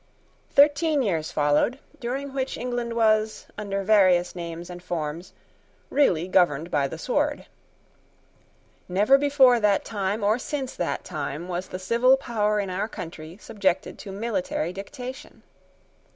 Thirteen years followed, during which England was, under various names and forms, really governed by the sword. Never before that time, or since that time, was the civil power in our country subjected to military dictation.